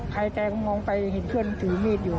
ใครใจก็มองไปเห็นเพื่อนถือมีดอยู่